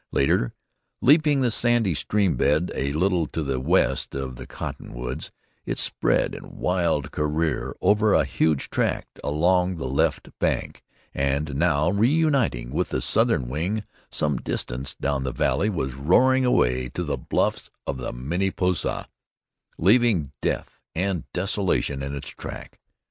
Later, leaping the sandy stream bed a little to the west of the cottonwoods, it spread in wild career over a huge tract along the left bank, and now, reuniting with the southern wing some distance down the valley, was roaring away to the bluffs of the Mini Pusa, leaving death and desolation in its track.